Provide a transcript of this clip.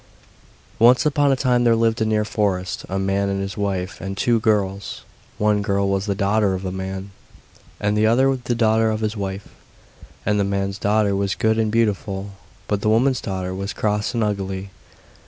] The Enchanted Wreath Once upon a time there lived near a forest a man and his wife and two girls; one girl was the daughter of the man, and the other the daughter of his wife; and the man's daughter was good and beautiful, but the woman's daughter was cross and ugly.